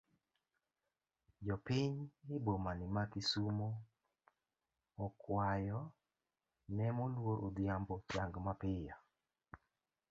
Jopiny e bomani ma kisumu okuayo ne moluor Odhiambo chang mapiyo.